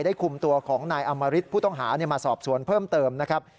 คุมตัวของนายอมริตผู้ต้องหามาสอบสวนเพิ่มเติมนะครับ